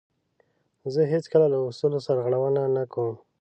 زه هیڅکله له اصولو سرغړونه نه کوم.